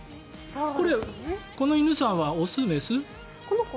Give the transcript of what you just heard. これ、この犬さんは雄？雌？